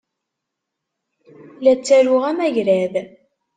La ttaruɣ amagrad.